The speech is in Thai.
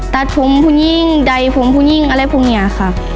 ตัดผมผู้ยิ่งใดผมผู้ยิ่งอะไรพวกนี้ค่ะ